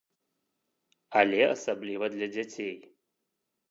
Але асабліва для дзяцей.